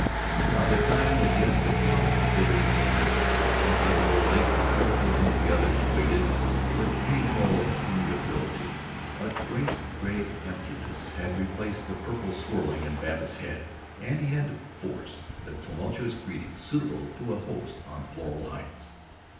By the time the guests had come, including the inevitable late couple for whom the others waited with painful amiability, a great gray emptiness had replaced the purple swirling in Babbitt's head, and he had to force the tumultuous greetings suitable to a host on Floral Heights.